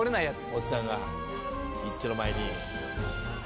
「おっさんがいっちょ前に」